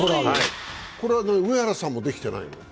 これは上原さんもできていないの？